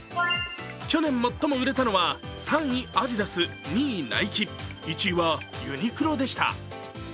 去年、最も売れたのは３位アディダス、２位ナイキ、１位はユニクロでした。